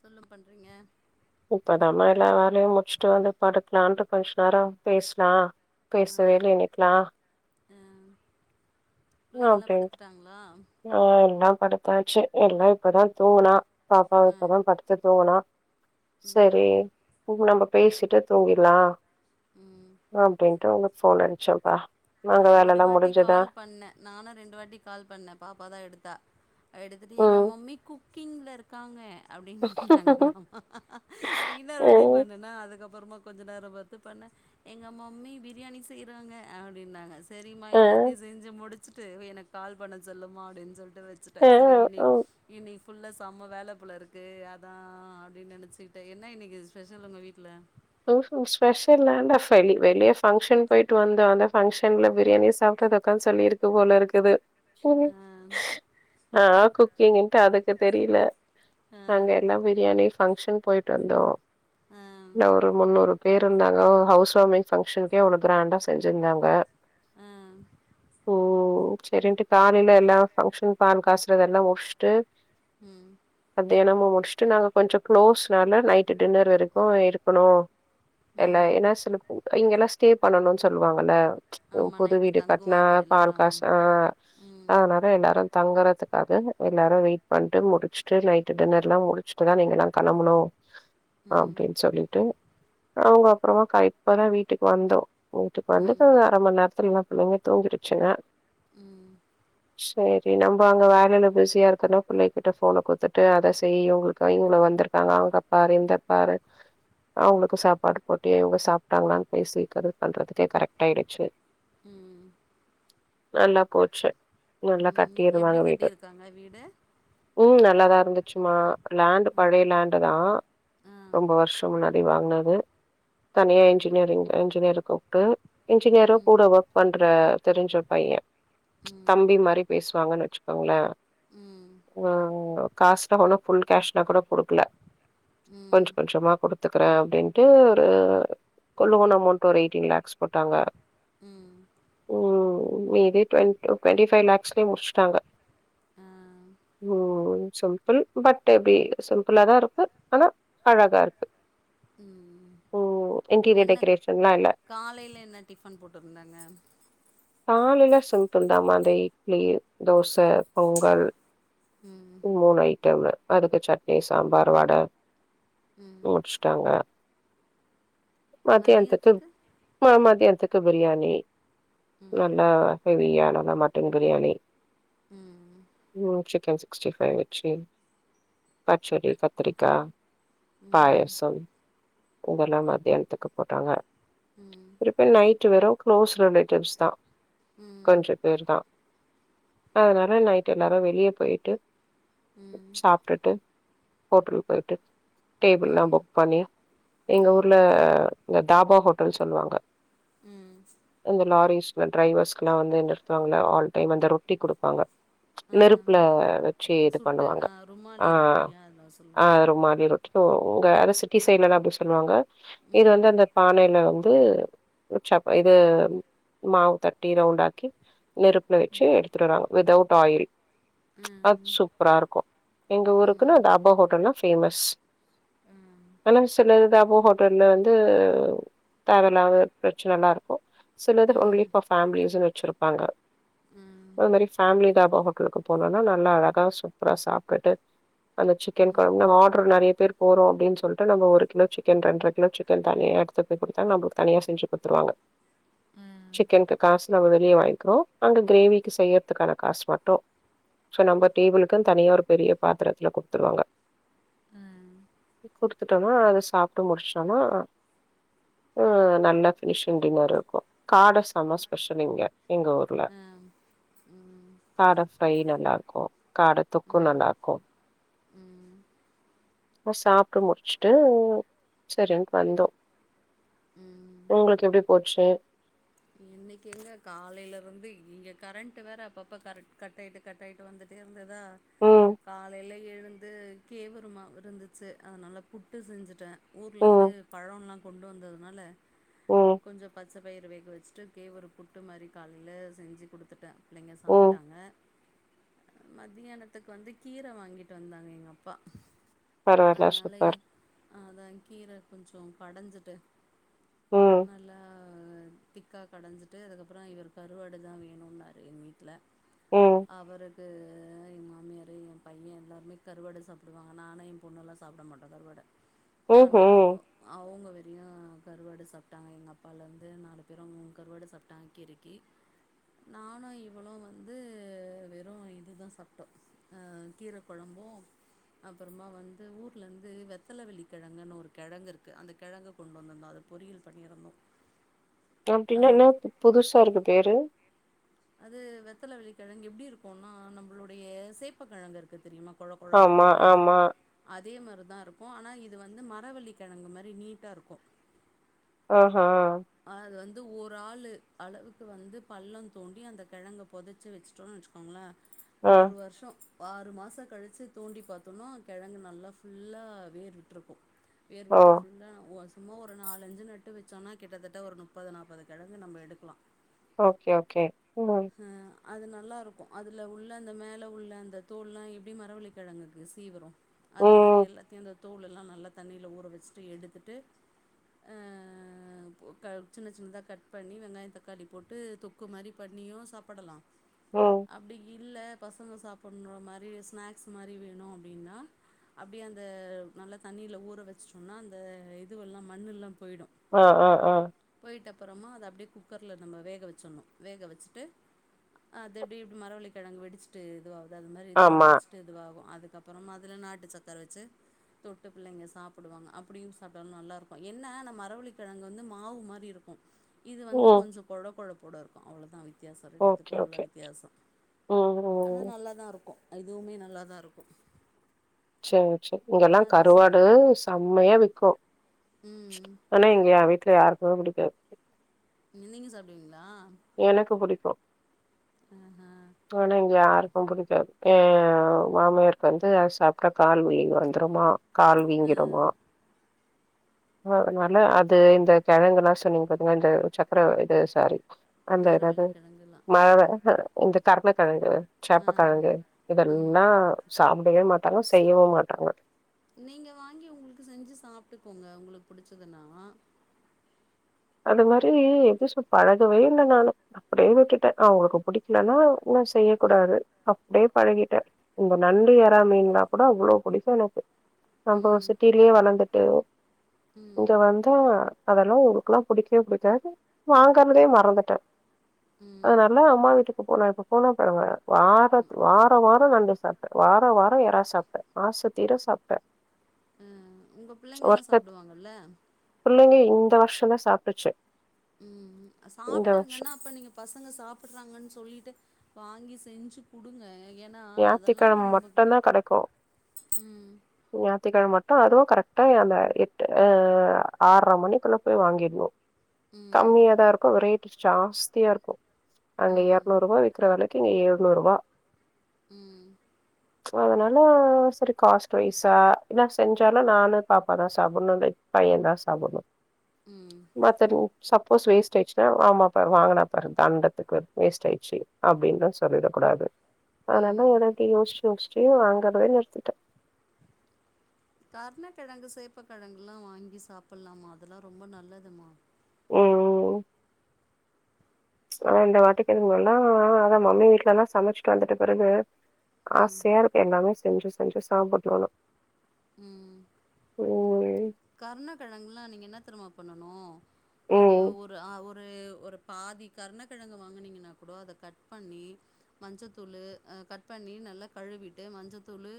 தொல்லும் பண்றீங்க இப்பதாமா எல்லா வேலையு முடிச்ட்டு வந்து படுக்லான்டு கொஞ் நேரோ பேஸ்னா ஆ பேச வேல இன்னைக்லா பிள்ளைங்கல்லா அப்டின்ட்டு படுத்துட்டாங்ளா ஆ எல்லாம் படுத்தாச்சு எல்லா இப்பதா தூங்குனா பாப்பாவ ஆ இப்பதா படுத்துக் தூங்குனா ம் சரி உ நம்ம பேசிட்டு தூங்கிர்லா உம் அப்படின்ட்டு உனக்கு ஃபோன் அடிச்சேம்ப்பா நா ரெண்டு வாட்டி கால் பண்ண நானு ரெண்டு வாட்டி கால் பண்ண பாப்பா தா எடுத்தா எடுத்துட்டு எங்க ம் மம்மி குக்கிங்ல இரு இருக்காங்க அப்படினுங்களாமா இன்னொரு வாட்டி ம் பண்ணனா அதுக்கப்புறமா கொஞ்ச நேரம் பாத்து பண்ண எங்க மம்மி பிரியாணி செய்றாங்க அ அப்டின்னாங்க சரிமா ஆ எல்லாத்தையும் செஞ்சு முடிச்சுட்டு எனக்கு கால் பண்ண சொல்லுமா அப்டின் சொல் சொல்லிட்டு வச்சுட்டே சரி இனி ஆ இனி ஃபுல்லா செம வேலப் போல இருக்கு அதா ஆ அப்டின் நினைச்சுக்கிட்ட என்ன இன்னைக்கு ஸ்பெஷல் உங்க வீட்டுல உஹம் ஸ்பெஷல்ல வெளி வெளிய ஃபங்க்ஷன் போயிட்டு வந்தோம் அந்த ஃபங்ஷன்ல பிரியாணி சாப்ட்றது அதான் சொல்லிருக்கு போல இருக்குது ஆஹ் ஆ குக்கிங்கிட்டு அதுக்கு தெரியல ஆ அங்க எல்லாம் பிரியாணி ஃபங்க்ஷன் போயிட்டு வந்தோம் ஆ என்ன ஒரு முன்னூறு பேர் இருந்தாங்க ஹவுஸ் வார்மிங் ஃபங்க்ஷனுக்கே அவ்வளவு கிராண்டா செஞ்சிருந்தாங்க ஆஹ் ஓ சரின்ட்டு காலையில எல்லாம் ஃபங்க்ஷன் பால் காய்ச்சிறதெல்லா முடிச்சுட்டு ம் மதியானம் முடிச்சுட்டு நாங்க கொஞ்சம் க்ளோஸ்னால நைட்டு டின்னர் வரைக்கும் இருக்கணும் இல்ல ம் ஏன்னா சிலப் பேர் இங்க எல்லாம் ஸ்டே பண்ணணும்னு சொல்லுவாங்கல்ல ஆமா புது நைட்டு வீடு கட்னா தங்குவாங்க பால் எல்லாரும் காச்னா ம் அதனால எல்லாரு தங்குறதுக்காக எல்லாரு வெயிட் பண்ட்டு முடிச்சுட்டு நைட்டு டின்னர்ல்லா முடிச்சுட்டுதா நீங்கல்லா கெளம்பணு ம் அப்டின் சொல்லிட்டு அவுங்க அப்றமா கயிப் இப்பதா வீட்டுக்கு வந்தோ போய்ட்டு வந்துட்டு ம் அரைமண் நேரத்துல எல்லா பிள்ளைங்க தூங்கிருச்சுங்க உம் சேரி நம்ம அங்க வேலையில பிஸியா இருக்கன்னா புள்ளை கிட்ட ஃபோன குடுத்து ட்டு அத செய் இவுங்களுக்கு இங்க வந்துருக்காங்க அங்க பாரு இந்த பாரு அவுங்களுக்கு சாப்பாடு போட்டு இவுங்க சாப்ட்டாங்களான் பேசி கரெக்ட் பண்றதுக்கே கரெக்ட் ஆயிடுச்சு ம் ம் ம் நல்லா போச்சு நல்லா ம் கட்டிருவாங்க எப்டி வீடு கட்டியிருக்காங்க வீடு உம் நல்லாதா இருந்துச்சுமா லேண்டு ம் பழைய லேண்டு தா ஆ ரொம்ப வருஷோ முன்னாடி வாங்குனது தனியா இன்ஜினியரிங் இன்ஜினியர் கூப்ட்டு இன்ஜினியரு ம் கூட ஒர்க் பண்ற தெரிஞ்ச பையன் ம் தம்பி மாரி பேசுவாங்கன் வச்சுக்கோங்களேன் ம் ஆ காசுலா ஃபுல் கேஸ்னா கூட கொ இல்ல ம் கொஞ்ச கொஞ்சமா கொடுத் குடுத்துக்குறேன் அப்டின்ட்டு ஒரு [inaudible] ஒரு அமௌண்ட் ஒரு எய்டின் லக்ஸ் போட்டாங்கா ம் உம் இதே ட்வெண் ட்வெண்டி ஃபைவ் லக்ஸ்க்கே முடிச்சுட்டாங்க ஆ உம் சிம்பிள் பட் எப்படி சிம்பிளா தா இருக்கு ஆனா அழகா இருக்கு ம் ம் இன்டீரியர் என்ன டெக்கரேஷன்லா இல்ல காலையில என்ன டிஃபன் போட்டுருந்தாங்க காலைல சிம்பிள்தாம அந்த இட்லி தோச பொங்கல் ம் மூணு ஐட்டம்மு அதுக்கு சட்னி சாம்பார் வட ம் முடிச்சுட்டாங்க மத்தியானத்துக்கு மதியத்துக்கு இப்ப மத்தியானத்துக்கு பிரியாணி ம் நல்லா ஹெவியா நல்லா மட்டன் பிரியாணி ம் ம் ம் சிக்கன் சிக்ஸ்டி ஃபைவ் வச்சு பச்சடி கத்திரிக்கா ம் பாயச ம் இதெல்லா மத்தியானத்துக்கு போட்டாங்க ம் ம் இப்ப நைட்டு வெரு க்ளோஸ் ரிலேட்டிவ்ஸ் தா ம் கொஞ்ச பேர் தா அதனால நைட்டு எல்லாரு வெளிய போயிட்டு சாப்ட்டுட்டு ஹோட்டலுக்கு போயிட்டு டேபிள்லா ம் புக் பண்ணி எங்க ஊர்ல இந்த தாபா ஹோட்டல்னு சொல்லுவாங்க ம் ம் இந்த லாரிஸ்ல டிரைவர்ஸ்க்குல்லா வந்து நிருத்துவாங்கள ஆல் டைம் அந்த ரொட்டி கொடுப்பாங்க நெருப்புல ஆ வச்சு இது சுட்டு பண்ணுவாங்க ஆ ஆ ருமாலி ரொட்டியா அதோ அ சொல்லுவாங்களே அதா ருமானி ரொ ஓ உங்க அதா சிட்டி சைடலல்லா அப்டி சொல்லுவாங்க இது ம் வந்து அந்த பானையில வந்து சப் இது மாவு தட்டி ரவுண்டாக்கி நெருப்புல வச்சு எடுத்துடுறாங்க வித் அவுட் ஆயில் ஆ அது சூப்பரா இருக்கு எங்க ஊருக்குன்னு ம் அது தாபா ஹோட்டல்ன ஃபேமஸ் ஆ ஆனா சில இது தாபா ஹோட்டல்ல வந்து தேவ இலாத பிரச்சனைல்லா இருக்கு சிலது ஆ ஒன்லி ஃபார் ஃபேமிலிஸ்ன்னு வச்சிருப்பாங்க ம் அது மாரி ஃபேமிலி தாபா ஹோட்டலுக்கு போனம்னா நல்லா அழகா சூப்பரா சாப்ட்டுட்டு அந்த சிக்கன் குழம்புனா ஆர்டர் நறைய பேர் போறோ அப்டின்னு சொல் ட்டா நம்ம ஒரு கிலோ சிக்கன் ரெண்டற கிலோ சிக்கன் தனியா எடுத்து போய் கொடுத்தா நம்மளுக்கு தனியா செஞ்சு கொடுத்துருவாங்க ஆ சிக்கனுக்கு காசு நம்ம வெளிய வாங்கிறோ அங்க கிரேவிக்கு செய்யறத்துக்கான காசு மட்டு சோ நம்ப டேபிளுக்குனு தனியா ஒரு பெரிய பாத்ரத்துல கொடுத்துருவாங்க குடுத்துட்டோன்னா அத சாப்ட்டு முடிச்சோனா அ நல்லா ஃபினிஷிங் டின்னர் இருக்கு காட செம ஸ்பெஷல் இங்க எங்க ஊர்ல அ ம் காட ஃப்ரை நல்லா இருக்கு காட தொக்கு ம் நல்லா இருக்கு ம் அப்போ சாப்ட்டு முடிச்சுட்டு சரின்ட்டு வந்தோ ம் உங்களுக்கு எப்புடி போச்சு இன்னைக்கு எங்க காலையில இருந்து இங்க கரண்ட்டு வேற அப்பப்ப கரண்ட் கட் ஆயிட்டு கட் ஆயிட்டு வந்துட் டே இருந்துதா ம், காலையில எழுந்து கேவுரு மாவு இருந்துச்சு அதனால புட்டு செஞ்சுட்ட ஊர்ல ம், இருந்து பழோலா கொண்டு வந்ததுனால ம், கொஞ்ச பச்சை பயிற வேக்க வச் சு கேவுரு புட்டு மாரி காலையில செஞ்சு கொடுத்துட்ட பிள்ளைங்க ம். சாப்ட்டாங்க மத்தியானத்துக்கு வந்து கீர வாங்கிட்டு வந்தாங்க எங்க அப்பா பரவால்ல அதனாலயே சூப்பர். அ அதா கீர கொஞ்சோ கடஞ்சிட்டு ம், நல்லா திக்கா கடஞ்சிட்டு அதுக்கப்புறோ இவர் கருவாடு தா வேணுன்னாரு எங்க வீட்ல ம் அவருக்கு எங்க மாமியாரு எ பையன் எல்லாருமே கருவாடு சாப்புடுவாங்க நானு பொண்ணெல்லா சாப்பட மாட்டோ கருவாட அதனால அவு ம்ஹ்ம். அவுங்க வெள்ள கருவாடு சாப்ட்டாங்க இவுங்க அப்பாலருந்து நாலு அப்றோ கருவாடு சாப்டாங்க கீரைக்கி நானு இவ்ளோ வந்து வெறு இதுதா சாப்டோ ஆ கீர கெழம்பு அப்புறமா வந்து ஊர்ல இருந்து வெத்தல வெள்ளி கிழங்குன்னு ஒரு கிழங்கு இருக்கு அந்த கிழங்கு கொண்டு வந்துதோ அத பொறியல் பண்ணியிருந்தோ அப்டினா என்னா அதனா புதுசா இருக்கு பேரு அது வெத்தல வெள்ளி கிழங்கு எப்டி இருக்குனா நம்பளுடைய சேப்பக்கேழங்கு இருக்கு தெரியுமா கொழ கொழனுட்டு இருக்கு ஆமா, பாருங்க ஆமா. அதே மாரி தா இருக்கு ஆனா இது வந்து மரவள்ளி கிழங்கு மாரி நீட்டா இருக்கு ஓ ஹா அது வந்து ஒரு ஆளு அளவுக்கு வந்து பள்ளோ தோண்டி அந்த கெழங்க போதச்சு வச்சுட்டோனு வச்சுக்கோ ங்களா ஆ. ஒரு வருஷோ ஆறு மாசம் கழிச்சு தோண்டி பார்த்தோம்னா கிழங்கு நல்லா ஃபுல்லா வேர் விட்டுருக்கு வேர் ஓ! விட்டு ஃபுல்லா ஓ சும்மா ஒரு நாலஞ்சு நட்டு வச்சோனா கிட்டத்தட்ட ஒரு முப்பது நாப்பது கெழங்கு நம்ப எடுகலா ஓகே ஓகே ம் ஆ அது நல்லாருக்கு அதுல உள்ள அந்த மேல உள்ள அந்த தோள்லா எப்டி மரவள்ளி கெழங்குகு சீவுரோ அத மாரி ம், எல்லாத்தயுந் அந்த தோளெல்லா நல்லா தண்ணீல ஊற வெசுட்டு எடுத்துட்டு அ க சின்ன சின்னதா கட் பண்ணி வெங்காயே தக்காளி போட்டு தொக்கு மாரி பண்ணியூ சாப்படலா ஓ அப்டி இல்ல பசங்க சாப்புடனு மாரி ஸ்நேக்ஸ் மாரி வேணு அப்டினா அப்டியே அந்த நல்ல தண்ணீல ஊற வெசுடோன்னா அந்த இதுவெல்லா மண்ணுல்லா போய்டு அ அ அ போய்ட்ட அப்புறமா அத அப்டே குக்கர்ல நம்ம வேக வெச்சுடணு வேக வெச்சுட்டு அ அது எப்டி இப் மர வள்ளி கெழங்கு வெடிச்சுட்டு இதுவாவ்து அது மாரி இதுவு ஆமா. வெடிச்சு ட்டு இதுவாவு அதுக்கப்புறம் அதுல நாட்டு சக்கர வெச்சு தொட்டு புள்ளைங்க சாப்புடுவாங்க அப்புடியு சாப்டாலு நல்லாருக்கு என்ன ந மரவளி கிழங்கு வந்து மாவு மாரி இருக்கு இது வந்து ம். கொஞ்சோ கொழ கொழப்போடருக்கு அவ்ளோதா வித் தியாசோ ரெண்டுத்துக்கு ஓகே, உள்ள ஓகே. வித்தியாசோ ம், ஆனா ம். நல்லாதாயிருக்கு அ இதுவுமே நல்லாதாயிருக்கு சேரி சேரி இங்கெல்லா ச கருவாடு செம்மயா விக்கு ம் ஆனா இங்க ஏ வீட்டுல யாருக்குமே புடிக்காது நீ நீங்க சாப்பிடுவீங்களா எனக்கு புடிக்கு ஆ ஆ ஆனா இங்க யாருக்கு புடிக்காது ஏ மாமியருக்கு வந்து அது சாப்ட்டா கால் வழி வந்துருமா கால் ஆ வீங்கிடுமா அ அதுனால அது இந்த கிழங்கெல்லா சொன்னீங்க பாத்தீங்கா இந்த சக்கர இது சாரி அந்த எனாது மரவள்ளிக்கிழங்குலாம் ஆ மழ இந்த கர்ணகெழங்கு ஆ சேப்பகெழங்கு ம் இதெல்லா சாப்டவே மாடாங்க செய்யவு மாடாங்க நீங்க வாங்கி உங்ளுக்கு செஞ்சு சாப்டுக்கோங்க உங்ளுக்கு புடிச்சதுன்னா அது மாரி எதுசு பழகவே இல்ல நானு அப்டே உட்டுட்டேன் அவ்ங்ளுக்கு புடிக்கலன்னா உன்னு செய்ய குடாது அப்டே பழகிட்டே இந்த நண்டு எறா மீன்லா குட அவ்ளோ புடிக்கு எனக்கு நம்பொ ம் சிட்டீல்யே வளந்துட்டு ம் இங்க வந்தா அதெல்லா ஒரு கல்ல புடிக்கவே புடிக்காது வாங்கற்தே மறந்துட்டே ம் அதனால அம்மா வீட்டுக் இப்ப போனா இப்ப போனா பரவால வாரத் வார வாரம் நண்டு சாப்ட் வார வாரம் எறா சாப்ட்டன் ஆச தீர சாப்ட்டேன் ம் உங்க புள்ளைங்கெல்லா சாப்டுவாங்கல்ல பிள்ளைங்க இந்த வர்ஷம் தா சாப்ட்டுச்சு ம் ம் இந்த வருஷம் சாப்ட்டாங்கன்னா அப்ப நீங்க பசங்க சாப்பட்றாங்கன்னு சொல்லீட்டு வாங்கி செஞ்சு குடுங்க ஏன்னா அதெல்லா ஞாயித்துக்கிழம நம்ப மட்டும்தான் ம் ஞாத்திகிழம மட்டும் அதும் கரெட்டா எ அந்த எட்டு ஆரர மணிக்குள்ள பொய் வாங்கிட்ணு ம் கம்மியா தா இருக்கும் வெரைட் ஜாஸ்தியாருக்கும் அங்க ம் எர்நூர்ருபா விக் கிற வெலைக்கி இங்க ஏழ்நூர்ருபா ம் அதனால செரி காஸ்ட் வைஸா என்னா செஞ்சாலு நானு பாப்பாதா சாப்புட்ணு வெ பையன் தா சாப்புட்னு ம் மத்தது சப்போஸ் வேஸ்ட் ஆய்ச்சுனா ஆமாப்பாரு வாங்கனா பாரு தண்டத்துக்கு வேஸ்ட் ஆய்ட்ச்சி அப்டின்னு தான் சொல்லிட குடாது அதனால தான் ம் எல்லாத்தி யோஸ்ச்சி யோஸ்ச்சி வாங்கத நிற்த்திட்ட கர்ணகெழங்கு சேப்ப கெழங்கெல்லா வாங்கி சாப்பிட்லாமா அதெல்லா ரொம்ப நல்லதும்மா ஓ ஆன இந்த வாட்டி இதுங்கெல்லா அத மம்மி வீட்லத சமச்சிட் வந்துட்ட பிறகு ம் ஆசையா இருக்கு எல்லாமே செஞ்சு செஞ்சு சாப்புட்ணுன்னு ம் ஓய் கர்ணகெழங்கெல்லா நீங்க என்ன தெரியுமா பண்ணனு நீங்க ம் ஒரு ஆ ஒரு ஒரு பாதி கர்ணகெழங்கு வாங்குனீங்கன்னா கூட, அத கட் பண்ணி மஞ்சத்தூளு கட் பண்ணி நல்லா கழிவிட்டு மஞ்சத்தூளு...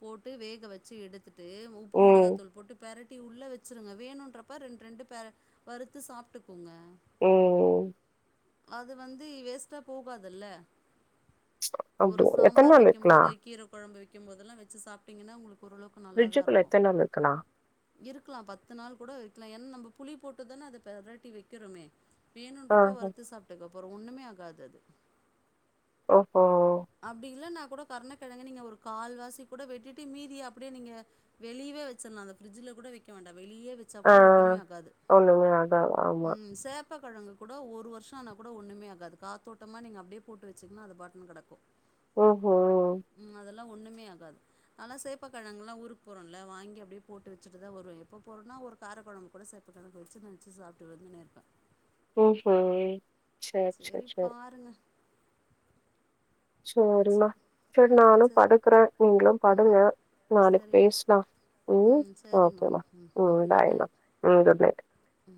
போட்டு வேக வெச்சு எடுத்துட்டு உப்பு ம் மொளகாதூள் போட்டு பெரட் டி உள்ள வெச்சிருங்க. வேணுன்றப்ப ரெண்டு ரெண்டு பெரட் வறுத்து சாப்ட்டுக்கோங்க ம் அது வந்து வேஸ்ட்டா போகாதுல்ல ஒரு அப்டி எத்தன சாம்பார் நாள் வெக்கும் போது வைக்கலாம் கீர கொழம்பு வெக்கும் போதெல்லா வெச்சு சாப்பிட்டீங்கன்னா உங்களுக்கு ஓரளவுக்கு ஃபிரிட்ஜுக்குள்ள எத்தன நாள் வெக்கலா இருக்கலா பத்து நாள் கூட வெக்கலாம். ஏன்னா நம்ம புளி போட்டுதானே! அத பெரட்டி வெக்கிறோமே! ஆ வேணுன்றப்போ ஆ வறுத்து சாப்ட்டுக்கோ அப்றோ ஒண்ணுமே ஆகாதது ஓ ஹோ அப்டி இல்லன்னா கூட கர்ண கெழங்க நீங்க ஒரு கால்வாசி கூட வெட்டிட்டு மீதி அப்டே நீங்க வெளிய்வே வெச்சிட்லா அத ப்ரிட்ஜில கூட வெக்க வேண்டா வெளியே வெச்ப ஆ. கூட ஒன்னுமே ஆகாது ஒண்ணுமே ஆகாது. ஆமா. ம் சேப் சேப்பக்கழங்கு கூட ஒரு வருஷோ ஆனா கூட ஒண்ணுமே ஆகாது காத்தோட்டமா நீங்க அப்டியே போட்டு வச்சிங்கனா அது பாட்டுன்னு கடக்கும். ஓ ஹோ அதெல்லா ஒண்ணுமே ஆகாது நாலா சேப்பக்கெழங்கெல்லா ஊருக்கு போறோம்ல வாங்கி அப்டியே போட்டு வச். வச்சுட்டுதா வருவ எப்ப போறனோ ஒரு கார கொழம்பு கூட சாப்பாட்டு நேரோ வச்சுட்டு வச்சு சாப்ட்டு வந்துன்னேயிருப்ப ஓஹோ! ! சேரி பாருங்க சேரின்னா சேரி ம் நானு சேர் படுக்குற நீங்களு படுங்க நாளைக் சரிம்மா பேஸ்லா ம்ம் ம் சரிம்மா ஓகேமா ம் குட் பாய் மா நைட் ம் குட் நைட் ம்